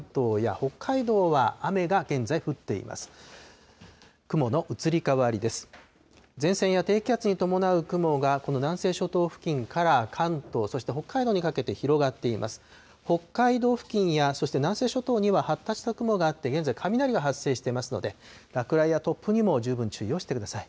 北海道付近や、そして南西諸島には発達した雲があって、現在、雷が発生していますので、落雷や突風にも十分注意をしてください。